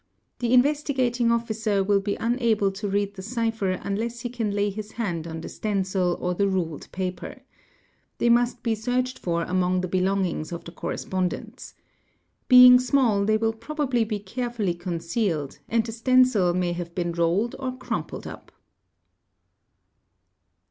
The Investigating Officer will be unable to read the cipher — unless he can lay his hand on the stencil or the ruled paper. They — must be searched for among the belongings of the correspondents. ' Being small they will probably be carefully concealed, and the stencil may have been rolled or crumpled up.